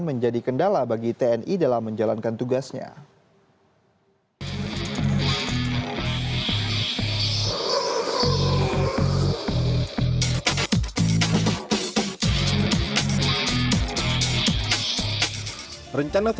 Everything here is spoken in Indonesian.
menjadi kendala bagi tni dalam menjalankan tugasnya